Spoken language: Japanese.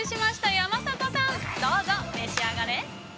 山里さん、どうぞ召し上がれ。